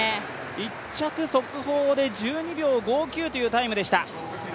１着速報で１２秒５９というタイムでした。